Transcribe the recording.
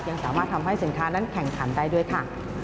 ยังสามารถทำให้สินค้านั้นแข่งขันได้ด้วยค่ะ